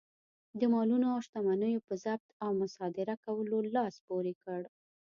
د مالونو او شتمنیو په ضبط او مصادره کولو لاس پورې کړ.